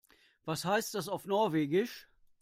Was heißt das auf Norwegisch?